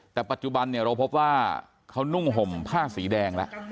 แต่ปัจจุบันผมพบว่าเขานุ่งหมฤมนาป้าสีแดง